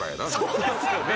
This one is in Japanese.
そうですよね。